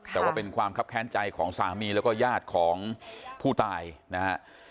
แต่ว่าเป็นความคับแค้นใจของสามีแล้วก็ญาติของผู้ตายนะฮะ